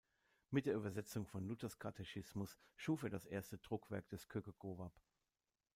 Mit der Übersetzung von Luthers Katechismus schuf er das erste Druckwerk des Khoekhoegowab.